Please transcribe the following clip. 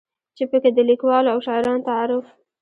چې پکې د ليکوالو او شاعرانو تعارف